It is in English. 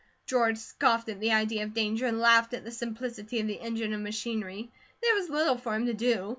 George scoffed at the idea of danger and laughed at the simplicity of the engine and machinery. There was little for him to do.